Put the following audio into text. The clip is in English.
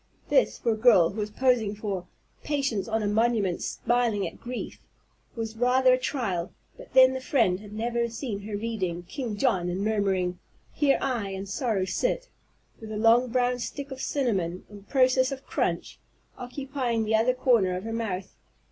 This, for a girl who was posing for "Patience on a monument smiling at grief," was rather a trial; but then the friend had never seen her reading "King John," and murmuring, "Here I and sorrow sit " with a long brown stick of cinnamon, in process of crunch, occupying the other corner of her mouth.